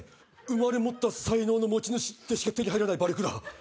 生まれ持った才能の持ち主しか手に入らないバルクだ。